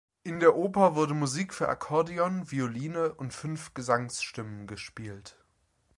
In der Oper wurde Musik für Akkordeon, Violine und fünf Gesangsstimmen gespielt.